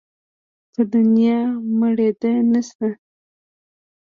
په دونيا مړېده نه شته.